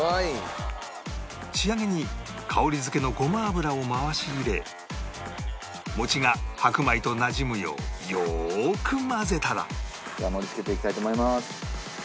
仕上げに香り付けのごま油を回し入れもちが白米となじむようよく混ぜたらでは盛り付けていきたいと思います。